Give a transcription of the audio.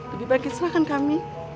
lebih baik diserahkan kami